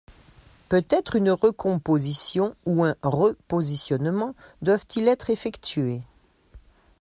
Peut-être une recomposition ou un repositionnement doivent-ils être effectués.